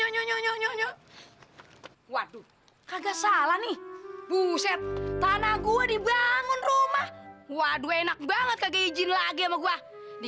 nyak gue tuh gak mungkin pergi